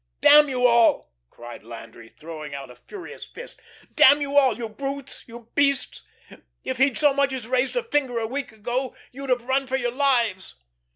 "Damn you all," cried Landry, throwing out a furious fist, "damn you all; you brutes, you beasts! If he'd so much as raised a finger a week ago, you'd have run for your lives."